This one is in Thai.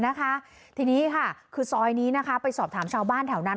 นะคะทีนี้ค่ะคือซอยนี้นะคะไปสอบถามชาวบ้านแถวนั้น